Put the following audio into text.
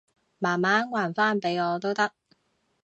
慢慢還返畀我都得